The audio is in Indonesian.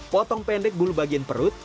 potong pendek bulu bagian perut